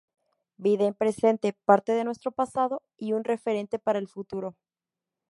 Vida en presente, parte de nuestro pasado y un referente para el futuro.